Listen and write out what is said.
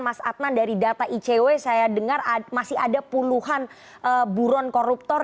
mas adnan dari data icw saya dengar masih ada puluhan buron koruptor